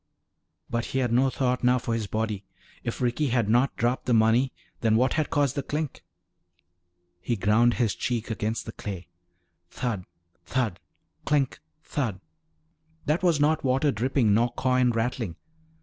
But he had no thought now for his body. If Ricky had not dropped the money, then what had caused the clink? He ground his cheek against the clay. Thud, thud, clink, thud. That was not water dripping nor coin rattling.